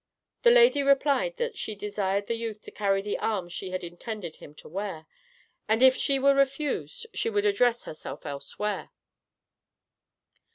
The lady replied that she desired the youth to carry the arms she had intended him to wear, and if she were refused, she would address herself elsewhere.